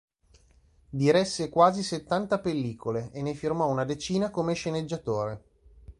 Diresse quasi settanta pellicole e ne firmò una decina come sceneggiatore.